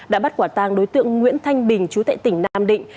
đã bắt quả tang đối tượng nguyễn thanh bình chú tại tỉnh nam định